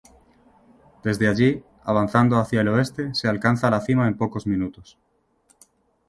Desde allí, avanzando hacia el oeste, se alcanza la cima en pocos minutos.